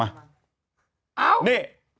อะไร